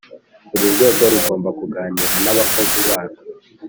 Buri rwego rugomba kuganira n’ abakozi barwo